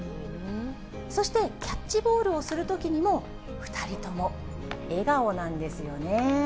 そして、キャッチボールをするときにも、２人とも笑顔なんですよね。